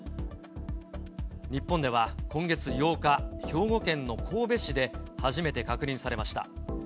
日本では今月８日、兵庫県の神戸市で初めて確認されました。